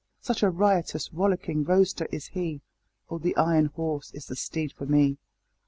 Such a riotous, rollicking roadster is he Oh! the Iron Horse is the steed for me!